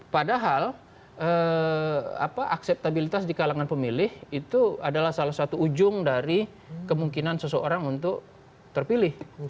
padahal akseptabilitas di kalangan pemilih itu adalah salah satu ujung dari kemungkinan seseorang untuk terpilih